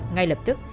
ngay lập tức